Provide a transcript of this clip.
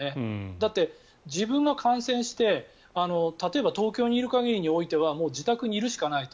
だって自分が感染して例えば東京にいる限りにおいてはもう自宅にいるしかないと。